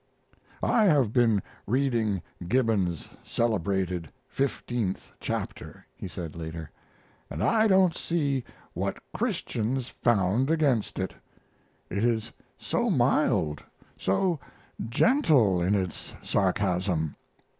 "I have been reading Gibbon's celebrated Fifteenth Chapter," he said later, "and I don't see what Christians found against it. It is so mild so gentle in its sarcasm."